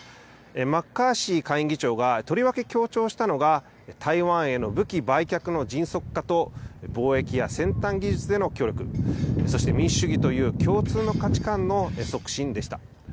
マッカーシー下院議長がとりわけ強調したのが、台湾への武器売却の迅速化と、貿易や先端技術での協力、そして民主主義という共通の価値観の促進でした。